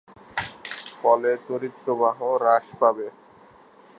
ফলে তড়িৎ প্রবাহ হ্রাস পাবে।